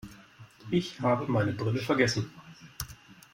Ich habe meine Brille vergessen.